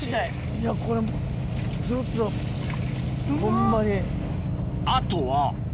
いやこれちょっとホンマに。